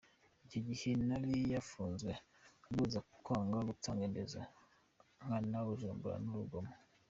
Icyo gihe yari yafunzwe aryozwa kwanga gutanga indezo nkana, ubujura n’urugomo.